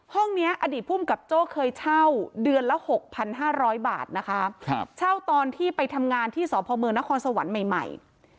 ห้องนี้อดีตภูมิกับโจ้เคยเช่าเดือนละ๖๕๐๐บาทนะคะเช่าตอนที่ไปทำงานที่สพมนครสวรรค์ใหม่